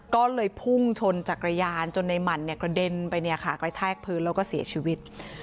ก็เลยพุ่งชนจักรยานจนในหมั่นกระเด็นไปใกล้แท้พื้นแล้วก็เสียชีวิต